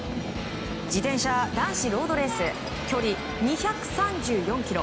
自転車、男子ロードレース距離２３４ｋｍ。